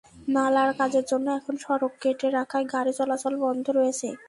নালার কাজের জন্য এখন সড়ক কেটে রাখায় গাড়ি চলাচল বন্ধ রয়েছে।